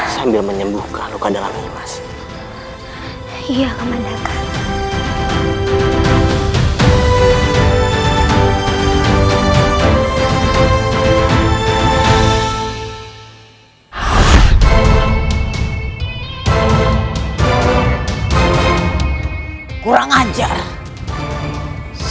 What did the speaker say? sambil menyembuhkan luka dalam nimas